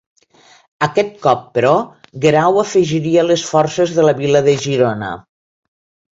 Aquest cop però, Guerau afegiria les forces de la vila de Girona.